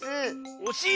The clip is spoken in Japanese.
おしい？